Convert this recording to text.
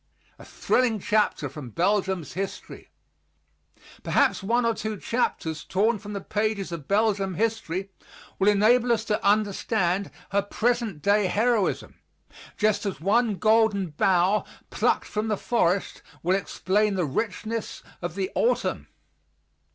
A THRILLING CHAPTER FROM BELGIUM'S HISTORY Perhaps one or two chapters torn from the pages of Belgium history will enable us to understand her present day heroism, just as one golden bough plucked from the forest will explain the richness of the autumn.